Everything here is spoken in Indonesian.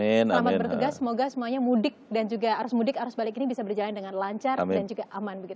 selamat bertugas semoga semuanya mudik dan juga arus mudik arus balik ini bisa berjalan dengan lancar dan juga aman